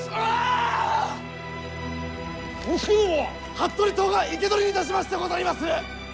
服部党が生け捕りにいたしましてござりまする！